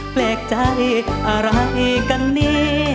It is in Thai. แปลกใจอะไรกันนี่